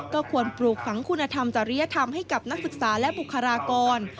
ก็ควรปลูกฝังคุณธรรมจริยธรรมให้กับนักศึกษาและบุคลากร